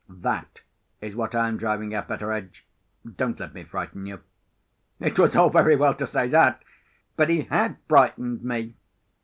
That is what I am driving at, Betteredge. Don't let me frighten you." It was all very well to say that, but he had frightened me.